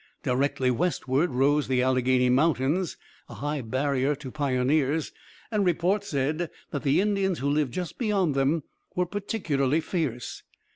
Directly westward rose the Alleghany Mountains, a high barrier to pioneers, and report said that the Indians who lived just beyond them were particularly fierce.